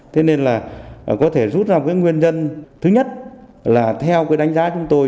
thế nên là có thể rút ra một cái nguyên nhân thứ nhất là theo cái đánh giá chúng tôi